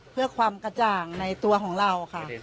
เพื่อความกระจ่างในตัวของเราค่ะ